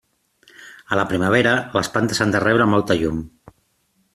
A la primavera les plantes han de rebre molta llum.